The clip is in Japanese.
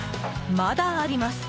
まだあります。